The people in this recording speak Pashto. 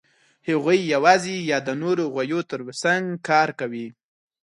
هغوی یواځې یا د نورو غویو تر څنګ کار کوي.